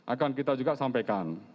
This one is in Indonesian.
akan kita juga sampaikan